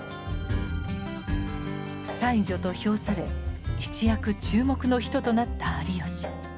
「才女」と評され一躍注目の人となった有吉。